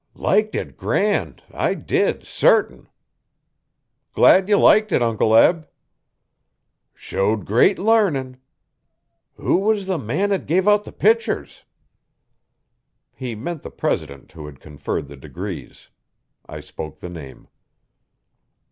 'Liked it grand I did, sartin.' 'Glad you liked it, Uncle Eb.' 'Showed great larnin'. Eho was the man 'at give out the pictur's?' He meant the president who had conferred the degrees. I spoke the name.